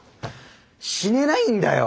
死ねないんだよ！